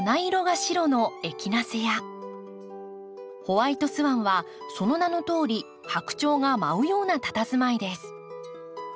‘ホワイト・スワン’はその名のとおり白鳥が舞うようなたたずまいです。